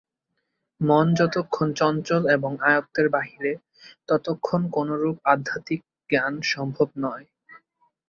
মন যতক্ষণ চঞ্চল এবং আয়ত্তের বাহিরে, ততক্ষণ কোনরূপ আধ্যাত্মিক জ্ঞান সম্ভব নয়।